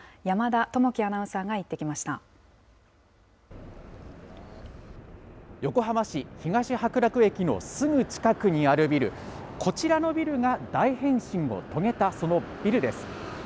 山田朋生アナウンサーが行ってき横浜市東白楽駅のすぐ近くにあるビル、こちらのビルが大変身を遂げたそのビルです。